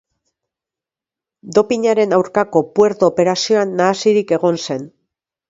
Dopinaren aurkako Puerto operazioan nahasirik egon zen.